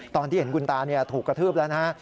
ตอนที่เห็นคุณตาถูกกระทืบแล้วนะฮะ